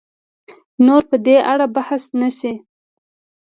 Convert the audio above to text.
نور په دې اړه بحث نه شي